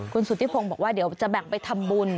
คุณสุธิพงศ์บอกว่าเดี๋ยวจะแบ่งไปทำบุญ